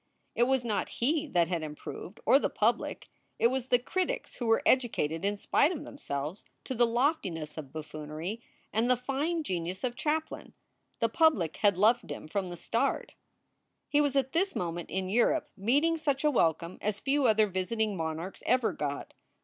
It was not he that had improved, or the public. It was the critics who were educated in spite of themselves to the loftiness of buffoonery and the fine genius of Chaplin. The public had loved him from the start. He was at this moment in Europe meeting such a welcome as few other visiting monarchs ever got.